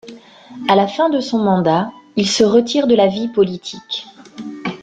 À la fin de son mandat, il se retire de la vie politique.